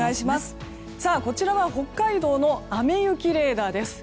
こちらは北海道の雨雪レーダーです。